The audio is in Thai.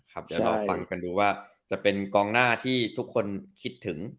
เดี๋ยวรอฟังกันดูว่าจะเป็นกองหน้าที่ทุกคนคิดถึง